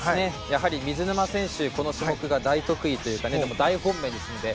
やはり水沼選手はこの種目が大得意というか大本命ですので。